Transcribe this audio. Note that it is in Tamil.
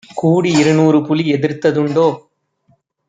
கூடிஇரு நூறுபுலி எதிர்த்த துண்டோ?